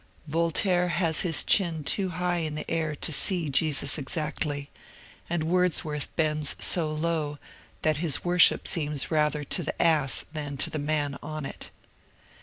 Voltaire has his chin too high in the air to see Jesus exactly, and Wordsworth bends so low that his worship seems rather to the ass than to the man on it.